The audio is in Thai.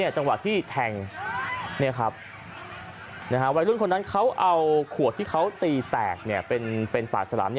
จังหวะที่แทงวัยรุ่นคนนั้นเขาเอาขวดที่เขาตีแตกเป็นปากฉลาม